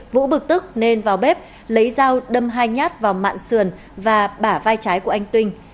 vũ bực tức nên vào bếp lấy dao đâm hai nhát vào mạng sườn và bả vai trái của anh tuyên